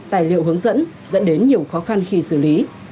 tài liệu hướng dẫn dẫn đến nhiều khó khăn khi xử lý